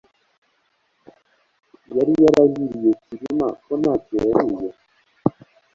Yari yarahiriye Cyilima ko ntacyo yariye.